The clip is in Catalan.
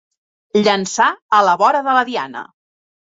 Llençar a la vora de la diana.